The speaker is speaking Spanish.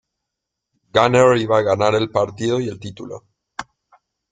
Gunner iba a ganar el partido y el título.